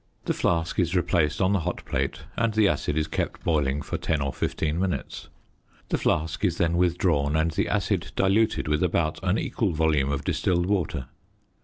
The flask is replaced on the hot plate and the acid is kept boiling for 10 or 15 minutes. The flask is then withdrawn and the acid diluted with about an equal volume of distilled water.